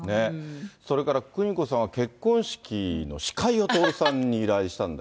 それから邦子さんは結婚式の司会を徹さんに依頼したんだ